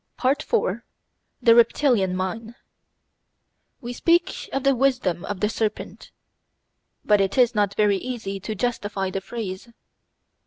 § 4 The Reptilian Mind We speak of the wisdom of the serpent; but it is not very easy to justify the phrase.